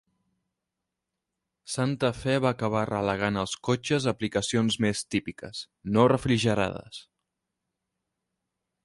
Santa Fe va acabar relegant els cotxes a aplicacions més típiques, no refrigerades.